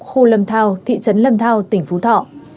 khu lâm thao thị trấn lâm thao tỉnh phú thọ